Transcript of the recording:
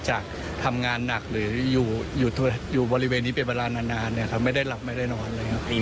จากทำงานหนักหรืออยู่บริเวณนี้เป็นเวลานานเนี่ยครับไม่ได้หลับไม่ได้นอนเลยครับ